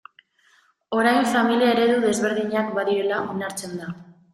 Orain familia eredu desberdinak badirela onartzen da.